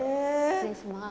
失礼します。